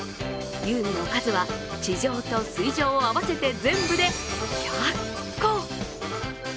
遊具の数は地上と水上を合わせて全部で１００個！